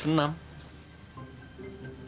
sampai jumpa lagi